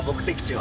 は